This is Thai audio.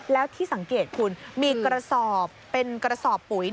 แล้วที่สังเกตคุณมีกระสอบเป็นกระสอบปุ๋ย